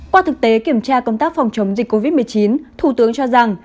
qua thực tế kiểm tra công tác phòng chống dịch covid một mươi chín thủ tướng cho rằng